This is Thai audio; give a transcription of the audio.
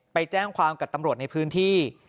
ไปแจ้งความกับตำรวจในพื้นที่